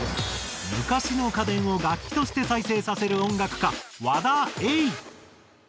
昔の家電を楽器として再生させる音楽家和田永。